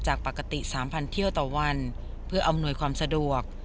จากปกติ๓๐๐เที่ยวต่อวันเพื่ออำนวยความสะดวก